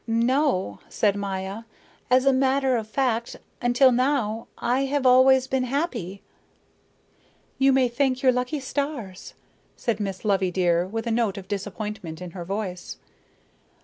"No," said Maya. "As a matter of fact, until now I have always been happy." "You may thank your lucky stars," said Miss Loveydear with a note of disappointment in her voice.